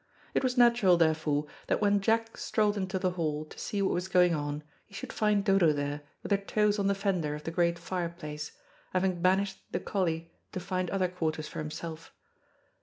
It was natural, therefore, that when Jack strolled into the hall, to see what was going on, he should find Dodo there with her toes on the fender of the great fireplace, having banished the collie to find other quarters for himself.